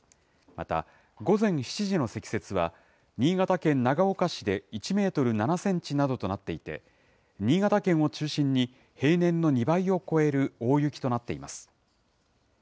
また午前７時の積雪は、新潟県長岡市で１メートル７センチなどとなっていて、新潟県を中心に平年の２倍を超える大雪となっています。